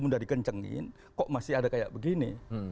udah dikencengin kok masih ada kayak begini